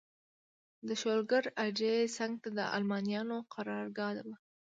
د شولګر اډې څنګ ته د المانیانو قرارګاه وه.